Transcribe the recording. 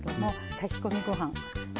炊き込みご飯。